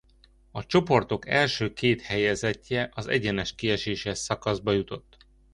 A csoportok első két helyezettje az egyenes kieséses szakaszba jutott.